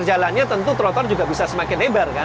jalannya tentu trotor juga bisa semakin lebar kan